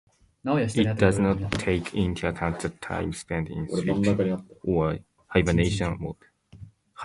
It does not take into account the time spent in sleep or hibernation mode.